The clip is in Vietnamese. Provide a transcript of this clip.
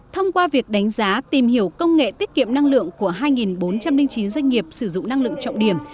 thông qua việc đánh giá tìm hiểu công nghệ tiết kiệm năng lượng của hai bốn trăm linh chín doanh nghiệp sử dụng năng lượng trọng điểm